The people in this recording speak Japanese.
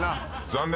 残念。